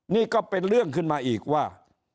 นี่ก็เป็นเรื่องขึ้นมาอีกว่า